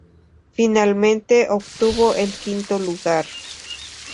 Finalmente obtuvo el quinto lugar.